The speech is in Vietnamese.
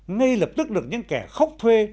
ngay lập tức được những kẻ khóc thuê